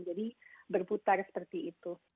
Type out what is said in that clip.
jadi berputar seperti itu